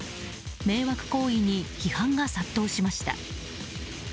迷惑行為に批判が殺到しました。